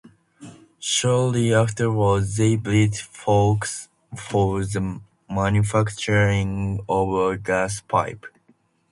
Shortly afterwards, they built works for the manufacturing of a gas pipe.